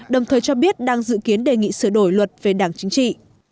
đồng thời cho biết đang dự kiến đề nghị sửa đổi luật về đảng chính trị